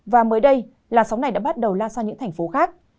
và mới đây làn sóng này đã bắt đầu lan sang những thành phố khác